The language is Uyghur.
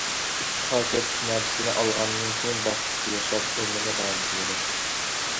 ئۈچ خاسىيەتلىك نەرسىنى ئالغاندىن كېيىن بەختلىك ياشاپ ئۆمرىنى داۋام قىلىدۇ.